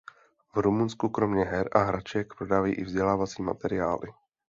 V Rumunsku kromě her a hraček prodávají i vzdělávací materiály.